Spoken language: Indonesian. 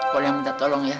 kalau yang minta tolong ya